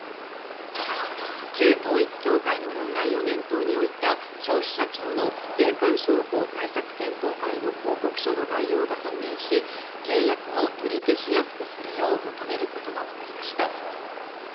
旧統一教会の問題を念頭に置いた消費者庁の霊感商法対策検討会の報告書の概要が判明し契約を取り消しやすくするよう求めることがわかりました。